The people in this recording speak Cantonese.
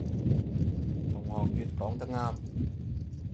同學乙講得啱